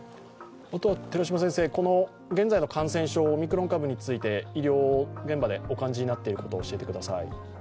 この現在の感染症、オミクロン株について医療現場でお感じになっていること、教えてください。